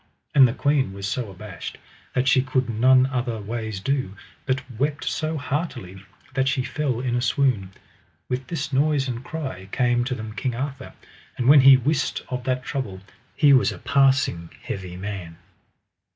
And the queen was so abashed that she could none other ways do, but wept so heartily that she fell in a swoon. With this noise and cry came to them King Arthur, and when he wist of that trouble he was a passing heavy man.